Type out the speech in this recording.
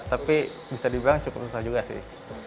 tapi bisa dibilang cukup susah juga sih